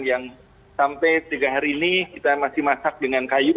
yang sampai tiga hari ini kita masih masak dengan kayu